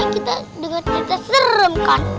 kita dengar cerita itu seram kan